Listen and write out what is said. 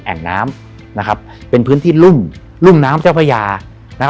แหล่งน้ำนะครับเป็นพื้นที่รุ่มรุ่มน้ำเจ้าพระยานะครับ